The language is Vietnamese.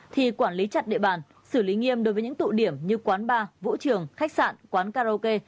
thì quản lý chặt địa bàn xử lý nghiêm đối với những tụ điểm như quán bar vũ trường khách sạn quán karaoke